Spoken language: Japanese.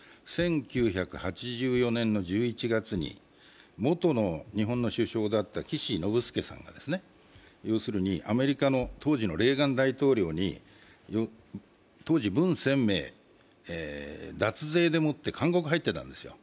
そこで１９８４年１１月に元の日本の首相だった岸信介さんがアメリカの当時のレーガン大統領に当時、文鮮明脱税でもって監獄に入ってたんですよ。